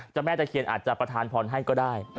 จ้าแม่จักรเคียนอาจจะประทานพรให้ก็ได้